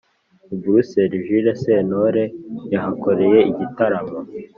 I brussel jules sentore yahakoreye igitaramo